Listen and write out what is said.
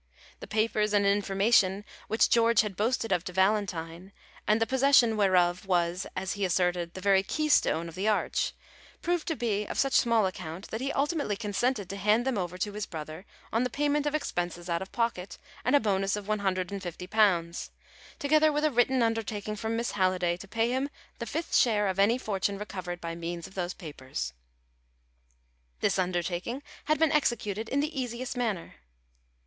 The papers and information which George had boasted of to Valentine, and the possession whereof was, as he asserted, the very keystone of the arch, proved to be of such small account that he ultimately consented to hand them over to his brother on the payment of expenses out of pocket, and a bonus of one hundred and fifty pounds, together with a written undertaking from Miss Halliday to pay him the fifth share of any fortune recovered by means of those papers. This undertaking had been executed in the easiest manner.